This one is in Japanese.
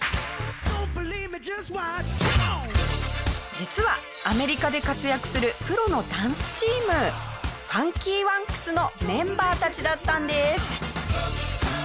実はアメリカで活躍するプロのダンスチームＦｕｎｋｙＷｕｎｋｓのメンバーたちだったんです。